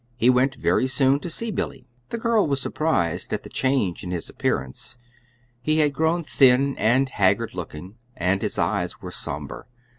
He went very soon to see Billy. The girl was surprised at the change in his appearance. He had grown thin and haggard looking, and his eyes were somber.